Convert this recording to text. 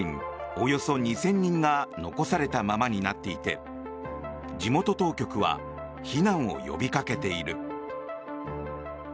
およそ２０００人が残されたままになっていて地元当局は避難を呼びかけている。